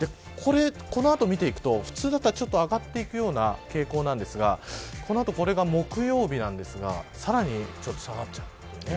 この後見ていくと、普通だったら上がっていくような傾向なんですがこの後、これが木曜日なんですがさらにちょっと下がっちゃう。